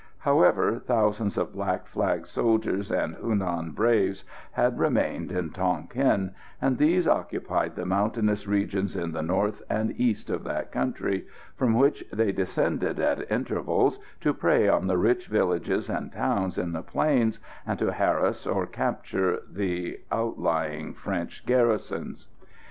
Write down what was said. However, thousands of Black Flag soldiers and Hunan braves had remained in Tonquin, and these occupied the mountainous regions in the north and east of that country, from which they descended at intervals to prey on the rich villages and towns in the plains, and to harass or capture the outlying French garrisons.